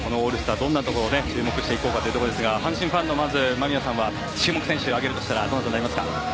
どんなところに注目していこうかというところですが阪神ファンの間宮さんは注目選手を挙げるとしたらどなたになりますか？